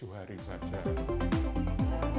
supaya pelabuhan perlu berlangsung maupunmu bisa b